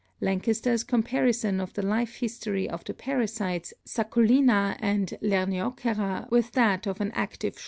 Lankester's comparison of the life history of the parasites Sacculina and Lernaeocera with that of an active shrimp Fig".